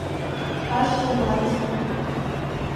Ащ имат.